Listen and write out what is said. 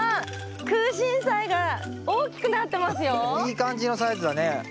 いい感じのサイズだね。